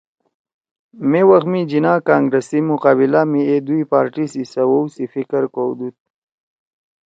مے وخ می جناح کانگرس سی مقابلہ می اے دُوئی پارٹی سی سوَؤ سی فکر کؤدُود